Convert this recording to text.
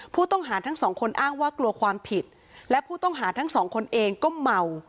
ผู้ต้องหาทั้งสองคนอ้างว่ากลัวความผิดและผู้ต้องหาทั้งสองคนเองก็เมา